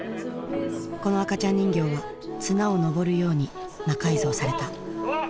この赤ちゃん人形は綱を登るように魔改造されたお！